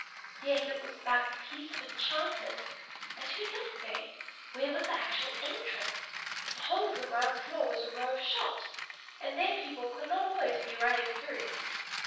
Yet it was like a piece of enchantment. And who lived there? Where was the actual entrance? The whole of the ground floor was a row of shops, and there people could not always be running through.